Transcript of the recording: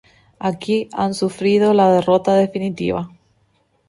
Aquí han sufrido la derrota definitiva.